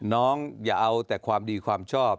อย่าเอาแต่ความดีความชอบ